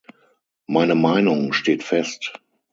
Meine Meinung steht fest!